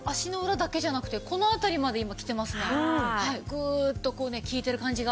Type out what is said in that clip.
グッとこうね効いてる感じが。